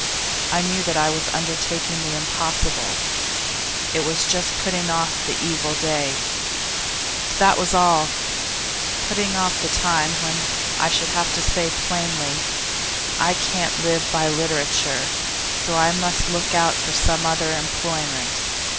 I knew that I was undertaking the impossible. It was just putting off the evil day, that was all putting off the time when I should have to say plainly: "I can't live by literature, so I must look out for some other employment."